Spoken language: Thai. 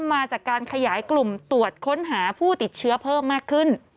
มาจากการขยายกลุ่มตรวจค้นหาผู้ติดเชื้อเพิ่มมากขึ้น